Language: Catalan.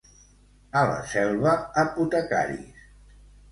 A la Selva, apotecaris.